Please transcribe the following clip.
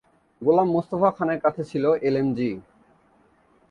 গোলাম মোস্তফা খানের কাছে ছিল এলএমজি।